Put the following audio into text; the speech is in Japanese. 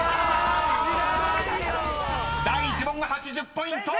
［第１問８０ポイント！］